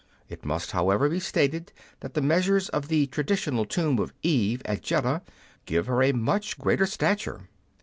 It must, however, be stated that the measures of the traditional tomb of Eve at Jedda give her a much greater stature.